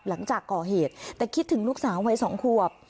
หลังจากก่อเหตุแต่คิดถึงลูกสาววัย๒ควบ